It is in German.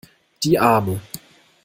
Die Arme!